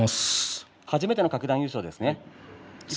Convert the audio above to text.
初めての各段優勝ですね。